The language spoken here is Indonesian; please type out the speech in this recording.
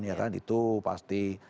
ya kan itu pasti